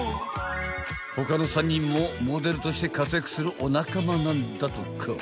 ［他の３人もモデルとして活躍するお仲間なんだとか］